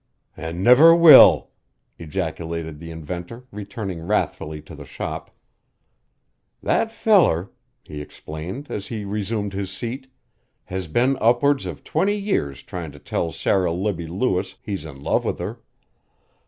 "An' never will!" ejaculated the inventor returning wrathfully to the shop. "That feller," he explained as he resumed his seat, "has been upwards, of twenty years tryin' to tell Sarah Libbie Lewis he's in love with her.